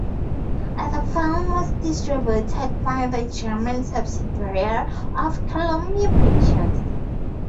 The film was distributed by the German subsidiary of Columbia Pictures.